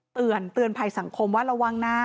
เตือนภัยสังคมว่าระวังนะ